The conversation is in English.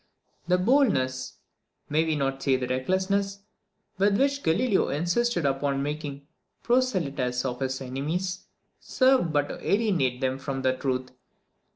The boldness may we not say the recklessness with which Galileo insisted upon making proselytes of his enemies, served but to alienate them from the truth.